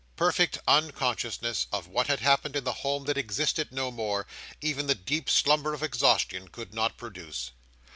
Perfect unconsciousness of what had happened in the home that existed no more, even the deep slumber of exhaustion could not produce.